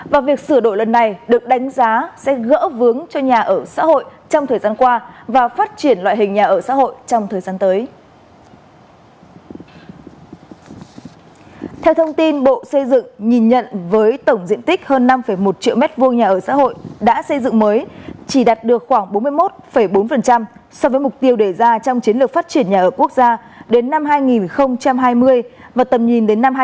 và việc sửa đổi lần này được đánh giá sẽ gỡ vướng cho nhà ở xã hội trong thời gian qua và phát triển loại hình nhà ở xã hội trong thời gian tới